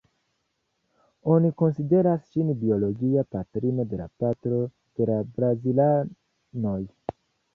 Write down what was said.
Oni konsideras ŝin biologia patrino de parto de la brazilanoj.